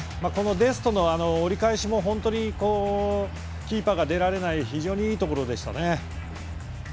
デストの押し返しも本当にキーパーが出られない非常にいいところでしたね。